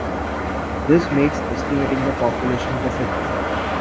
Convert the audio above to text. This makes estimating the population difficult.